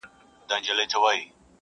کله کله یې سکوت هم مسؤلیت دی .